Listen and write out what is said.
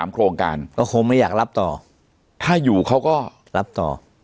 โครงการก็คงไม่อยากรับต่อถ้าอยู่เขาก็รับต่อ